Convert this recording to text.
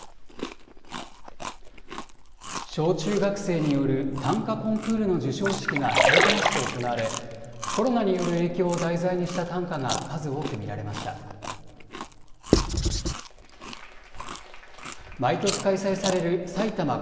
小中学生による短歌コンクールの授賞式がさいたま市で行われコロナによる影響を題材にした短歌が数多く見られました。